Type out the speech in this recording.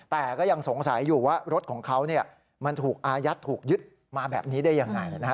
แต่ก็ยังสงสัยอยู่ว่ารถของเขามันถูกอายัดถูกยึดมาแบบนี้ได้ยังไง